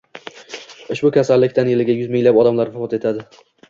Ushbu kasallikdan yiliga yuz minglab bolalar vafot etadi